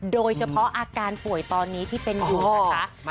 โดยเฉพาะอาการป่วยตอนนี้ที่เป็นอยู่นะคะ